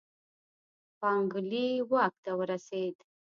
یانګلي واک ته ورسېد.